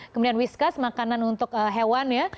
kemudian wiskas makanan untuk hewan ya